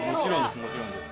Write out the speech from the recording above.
もちろんです。